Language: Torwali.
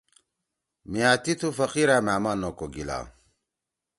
میاتی تھو فقیرا مھأ ما نو کو گیلہ